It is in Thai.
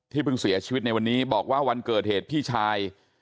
เพิ่งเสียชีวิตในวันนี้บอกว่าวันเกิดเหตุพี่ชาย